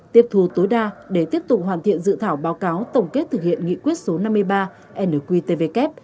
tiếp thù tối đa để tiếp tục hoàn thiện dự thảo báo cáo tổng kết thực hiện nghị quyết số năm mươi ba nqtvk